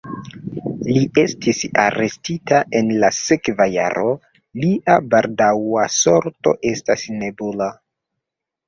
Li estis arestita en la sekva jaro, lia baldaŭa sorto estas nebula.